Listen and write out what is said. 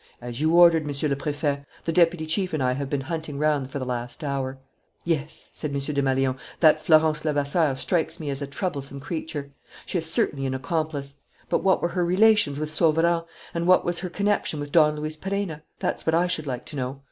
"As you ordered, Monsieur le Préfet. The deputy chief and I have been hunting round for the last hour." "Yes," said M. Desmalions, "that Florence Levasseur strikes me as a troublesome creature. She is certainly an accomplice. But what were her relations with Sauverand and what was her connection with Don Luis Perenna? That's what I should like to know.